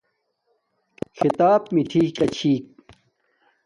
کھیتاپ میٹھی کا چھی